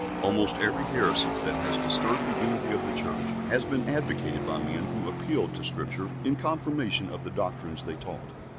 Almost every heresy that has disturbed the unity of the Church has been advocated by men who appealed to Scripture in confirmation of the doctrines they taught.